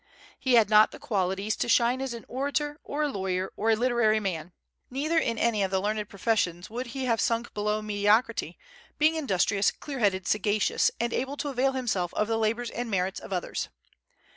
He had not the qualities to shine as an orator, or a lawyer, or a literary man; neither in any of the learned professions would he have sunk below mediocrity, being industrious, clear headed, sagacious, and able to avail himself of the labors and merits of others.